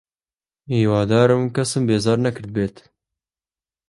هیوادارم کەسم بێزار نەکردبێت.